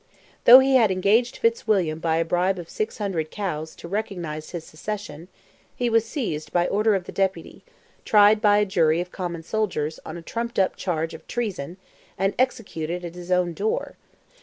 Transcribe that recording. Though he had engaged Fitzwilliam by a bribe of 600 cows to recognize his succession, he was seized by order of the Deputy, tried by a jury of common soldiers, on a trumped up charge of "treason," and executed at his own door.